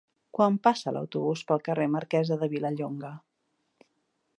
Quan passa l'autobús pel carrer Marquesa de Vilallonga?